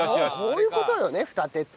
こういう事よね二手って。